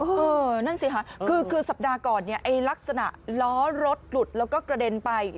นั่นสิค่ะคือสัปดาห์ก่อนเนี่ยไอ้ลักษณะล้อรถหลุดแล้วก็กระเด็นไป